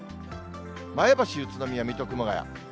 前橋、宇都宮、水戸、熊谷。